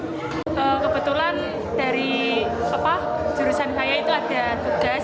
kebetulan dari jurusan saya itu ada tugas